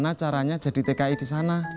bagaimana caranya jadi tki di sana